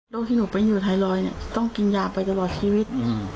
โรคที่หนูไปอยู่ไทรอยต้องกินยาไปตลอดชีวิต